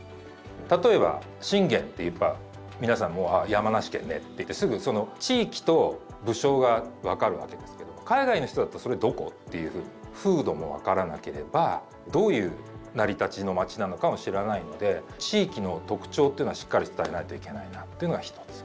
例えば信玄っていえば皆さんもうあ山梨県ねって言ってすぐその地域と武将が分かるわけですけれども海外の人だったら「それどこ？」っていうふうに風土も分からなければどういう成り立ちの町なのかも知らないので地域の特徴というのはしっかり伝えないといけないなというのが一つ。